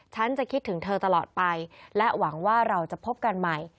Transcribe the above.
ฉันจะคิดถึงเธอตลอดไปและหวังว่าเราจะพบกันใหม่